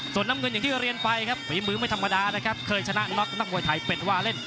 ส่วนน้ำเงินอย่างที่เรียนไปครับฝีมือไม่ธรรมดานะครับเคยชนะน็อกนักมวยไทยเป็นว่าเล่น